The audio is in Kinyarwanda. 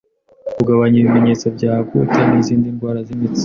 Kugabanya ibimenyetso bya goute n’izindi ndwara z’imitsi